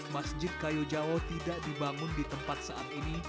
masjid kayu jawa tidak dibangun di tempat saat ini